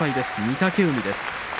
御嶽海です。